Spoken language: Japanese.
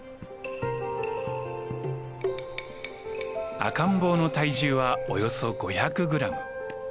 赤ん坊の体重はおよそ５００グラム。